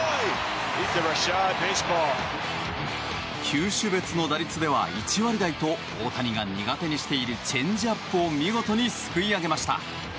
球種別の打率では１割台と大谷が苦手にしているチェンジアップを見事にすくい上げました。